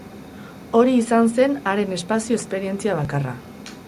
Hori izan zen haren espazio esperientzia bakarra.